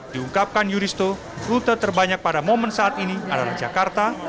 diungkapkan yuristo rute terbanyak pada momen saat ini adalah jakarta